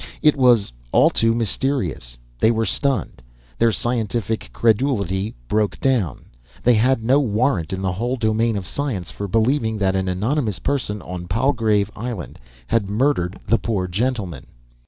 It was all too mysterious. They were stunned. Their scientific credulity broke down. They had no warrant in the whole domain of science for believing that an anonymous person on Palgrave Island had murdered the poor gentlemen.